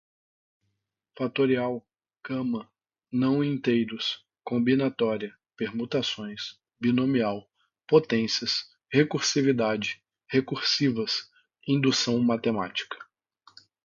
fatorial, gama, não-inteiros, combinatória, permutações, binomial, potências, recursividade, recursivas, indução matemática